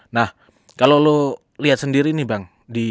nah kalau lo lihat sendiri nih bang